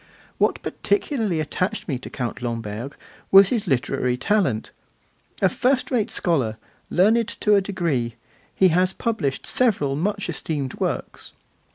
What particularly attached me to Count Lamberg was his literary talent. A first rate scholar, learned to a degree, he has published several much esteemed works.